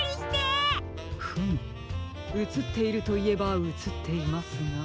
フムうつっているといえばうつっていますが。